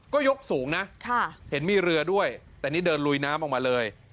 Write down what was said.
ก็ยกสูงนะเห็นมีเรือด้วยแต่นี่เดินลุยน้ำออกมาเลย